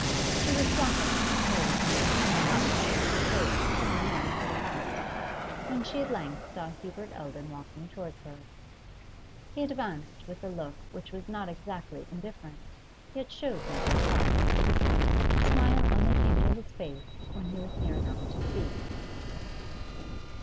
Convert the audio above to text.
She was slackening her pace, not wishing to approach too near to the house, when she at length saw Hubert Eldon walking towards her. He advanced with a look which was not exactly indifferent yet showed no surprise; the smile only came to his face when he was near enough to speak.